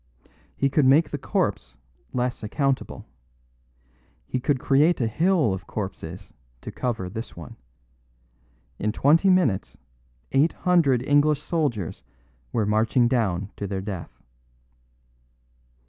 He could make the corpse less unaccountable. He could create a hill of corpses to cover this one. In twenty minutes eight hundred English soldiers were marching down to their death."